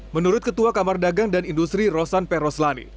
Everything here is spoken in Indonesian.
menurut ketua kamar dagang dan industri rosan p roslani